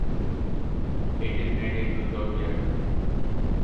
It is native to Georgia.